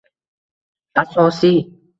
Asosiy